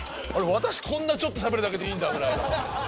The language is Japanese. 私こんなちょっとしゃべるだけでいいんだぐらいの。